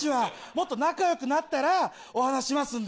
もっと仲良くなったらお話ししますんで。